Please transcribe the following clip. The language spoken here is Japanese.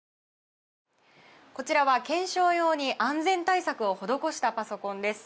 こちらは検証用に安全対策を施したパソコンです。